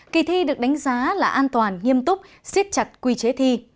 kỳ thi được đánh giá là an toàn nghiêm túc siết chặt quy chế thi